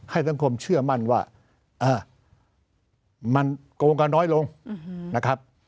ให้สังคมเชื่อมั่นว่ามันโกงกันน้อยลงนะครับ